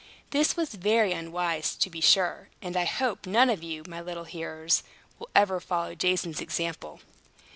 This was very unwise, to be sure; and I hope none of you, my little hearers, will ever follow Jason's example.